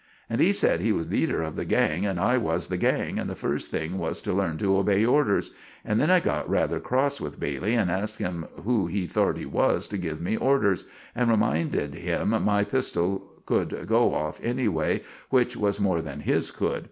And he sed he was leeder of the gang, and I was the gang, and the first thing was to lern to obey orders. And then I got rather cross with Bailey, and asked him who he thort he was to give me orders, and reminded him my pistell could go off anyway, which was more than his could.